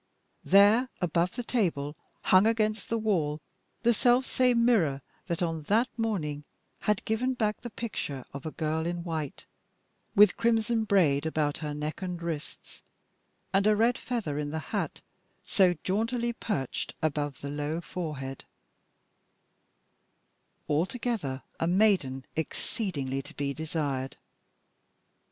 There, above the table, hung against the wall the selfsame mirror that on that morning had given back the picture of a girl in white, with crimson braid about her neck and wrists, and a red feather in the hat so jauntily perched above the low forehead altogether a maiden exceedingly to be desired.